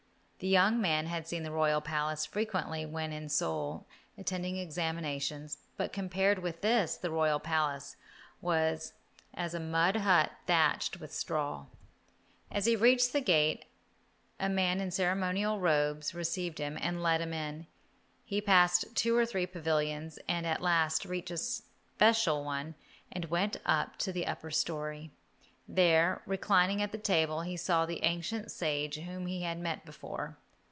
The young man had seen the Royal Palace frequently when in Seoul attending examinations, but compared with this, the Royal Palace was as a mud hut thatched with straw. As he reached the gate a man in ceremonial robes received him and led him in. He passed two or three pavilions, and at last reached a special one and went up to the upper storey. There, reclining at a table, he saw the ancient sage whom he had met before.